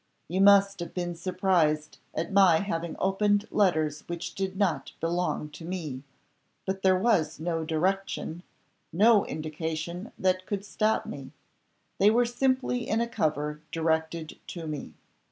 "You must have been surprised at my having opened letters which did not belong to me, but there was no direction, no indication that could stop me. They were simply in a cover directed to me.